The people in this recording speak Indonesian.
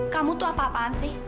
kamu tuh apa apaan sih